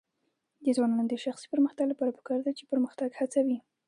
د ځوانانو د شخصي پرمختګ لپاره پکار ده چې پرمختګ هڅوي.